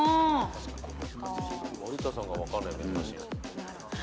・有田さんが分かんない珍しい。